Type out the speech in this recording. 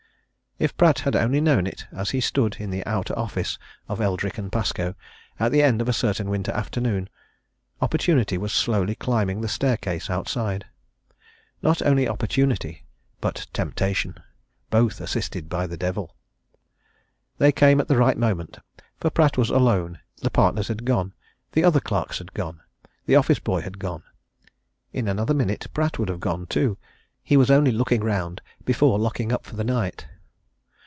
If Pratt had only known it, as he stood in the outer office of Eldrick & Pascoe at the end of a certain winter afternoon, opportunity was slowly climbing the staircase outside not only opportunity, but temptation, both assisted by the Devil. They came at the right moment, for Pratt was alone; the partners had gone: the other clerks had gone: the office boy had gone: in another minute Pratt would have gone, too: he was only looking round before locking up for the night.